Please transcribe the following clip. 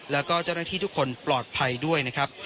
แล้วก็เจ้าหน้าที่ทุกคนปลอดภัยด้วยนะครับ